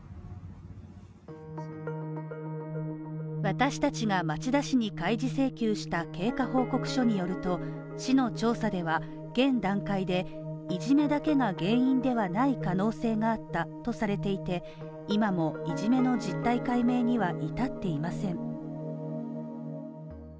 私達が町田市に開示請求した経過報告書によると、市の調査では現段階でいじめだけが原因ではない可能性があったとされていて今もいじめの実態解明には至っていません。